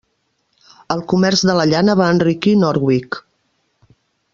El comerç de la llana va enriquir Norwich.